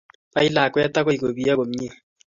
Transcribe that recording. Bai lakwet agoi ko piony komie